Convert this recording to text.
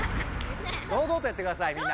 どうどうとやってくださいみんな。